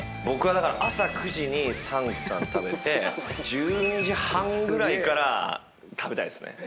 僕はだから朝９時に「ＴＨＡＮＫ」さん食べて１２時半ぐらいから食べたいですね。